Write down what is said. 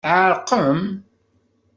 Tɛerqem?